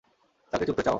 তাকে চুদতে চাও?